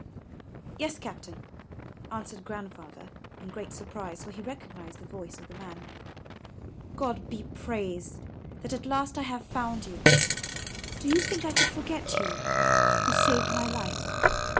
Yes, Captain," answered Grandfather in great surprise, for he recognized the voice of the man. God be praised, that at last I have found you. Do you think I could forget you, who saved my life?